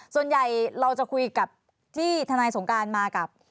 ส่วนใหญ่เราจะคุยกับที่ทนายสงการมากับ